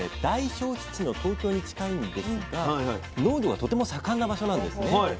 大消費地の東京に近いんですが農業がとても盛んな場所なんですね。